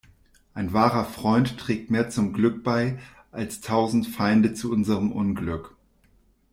Ein wahrer Freund trägt mehr zum Glück bei als tausend Feinde zu unserem Unglück.